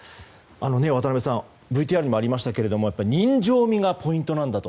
渡辺さんＶＴＲにもありましたが人情味がポイントなんだと。